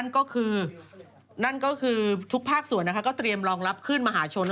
นั่นก็คือทุกภาพส่วนก็ตรียมรองรับขึ้นมาหาชน